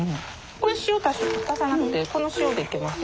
これ塩を足さなくてこの塩でいけます？